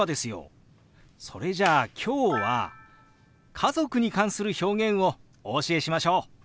それじゃあ今日は家族に関する表現をお教えしましょう！